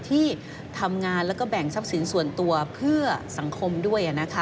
ที่ทำงานแล้วก็แบ่งทรัพย์สินส่วนตัวเพื่อสังคมด้วย